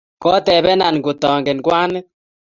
Kotebenan ngotangen kwanit.